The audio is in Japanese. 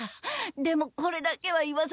でもこれだけは言わせて。